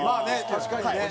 確かにね。